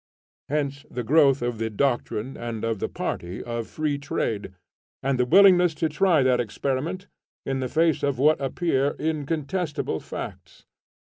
Hence the growth of the doctrine and of the party of Free Trade, and the willingness to try that experiment, in the face of what appear incontestable facts.